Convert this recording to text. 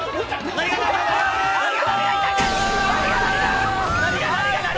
何が何が！